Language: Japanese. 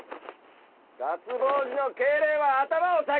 脱帽時の敬礼は頭を下げる！